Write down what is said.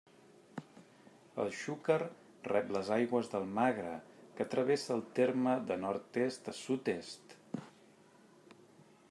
El Xúquer rep les aigües del Magre, que travessa el terme de nord-oest a sud-est.